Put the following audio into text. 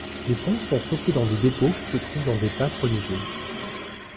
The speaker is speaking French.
Les pompes sont stockées dans des dépôts qui se trouvent dans des places religieuses.